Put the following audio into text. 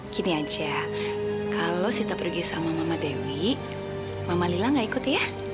gini aja kalau sita pergi sama mama dewi mama lila gak ikut ya